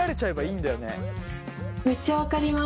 めっちゃ分かります。